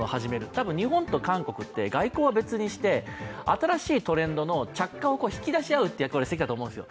たぶん日本と韓国って外交は別にして新しいトレンドの着火を引き出すという関係なんだと思うんですよ。